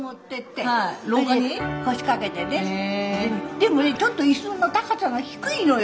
でもねちょっと椅子の高さが低いのよ。